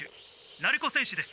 鳴子選手です」。